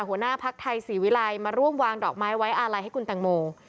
หัวหน้าภักดิ์ไทยศรีวิลัยมาร่วมวางดอกไม้ไว้อาลัยให้คุณแตงโม